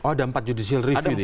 oh ada empat judisial review